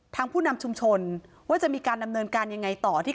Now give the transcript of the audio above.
ผู้นำชุมชนว่าจะมีการดำเนินการยังไงต่อที่